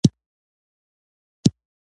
سور کرنېل د مساو د خان د خرو لکې ېې پرې کړي وه.